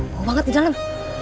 bau banget di dalam